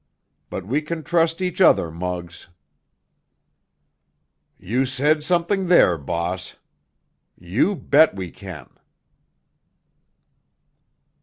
But we can trust each other, Muggs." "You said something there, boss! You bet we can!"